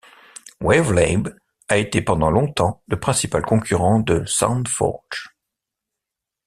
WaveLab a été pendant longtemps le principal concurrent de Sound Forge.